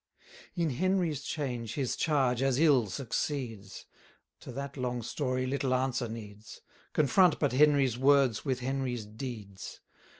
In Henry's change his charge as ill succeeds; 320 To that long story little answer needs: Confront but Henry's words with Henry's deeds.